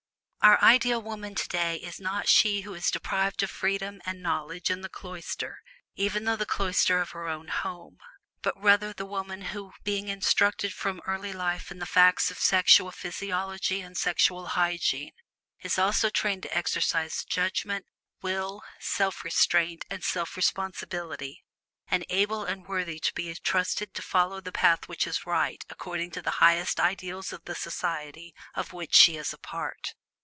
Our ideal woman today is not she who is deprived of freedom and knowledge in the cloister, even though only the cloister of her own home; but rather the woman who being instructed from early life in the facts of sexual physiology and sexual hygiene, is also trained to exercise judgment, will, self restraint, and self responsibility, and able and worthy to be trusted to follow the path which is right according to the highest ideals of the society of which she is a part.